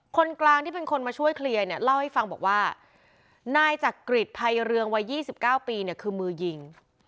คนกลางที่เป็นคนมาช่วยเคลียร์เนี่ยเล่าให้ฟังบอกว่านายจักริจภัยเรืองวัย๒๙ปีเนี่ยคือมือยิง